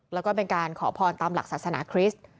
แล้วก็เป็นการขอพรตามหลักศาสนาคริสต์